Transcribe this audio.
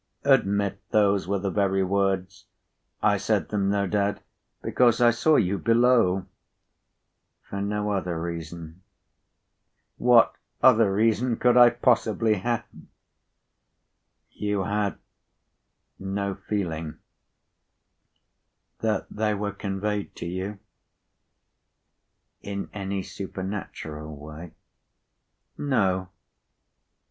"Admit those were the very words. I said them, no doubt, because I saw you below." "For no other reason?" "What other reason could I possibly have!" "You had no feeling that they were conveyed to you in any supernatural way?" "No."